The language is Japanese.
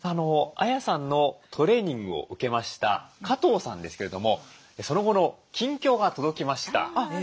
ＡＹＡさんのトレーニングを受けました加藤さんですけれどもその後の近況が届きました。